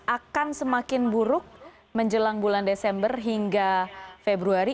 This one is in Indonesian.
akan semakin buruk menjelang bulan desember hingga februari